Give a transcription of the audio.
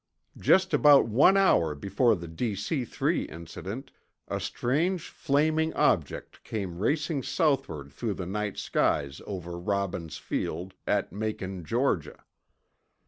Just about one hour before the DC 3 incident, a strange flaming object came racing southward through the night skies over Robbins Field, at Macon, Georgia.